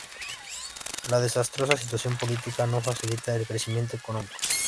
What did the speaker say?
La desastrosa situación política no facilita el crecimiento económico.